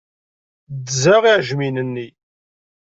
Ddzeɣ iɛejmiyen-nni.